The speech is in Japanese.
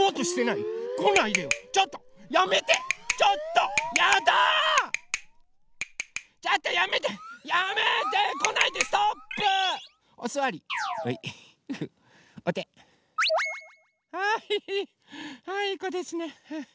いいこですね。